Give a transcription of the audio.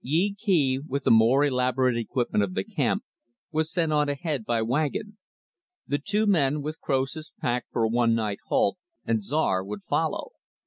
Yee Kee, with the more elaborate equipment of the camp, was sent on ahead by wagon. The two men, with Croesus packed for a one night halt, and Czar, would follow.